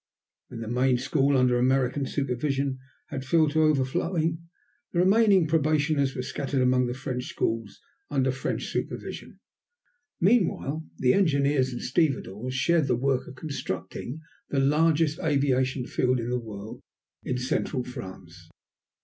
When the main school, under American supervision, had filled to overflowing, the remaining probationers were scattered among the French schools under French supervision. Meanwhile, the engineers and stevedores shared the work of constructing "the largest aviation field in the world" in central France.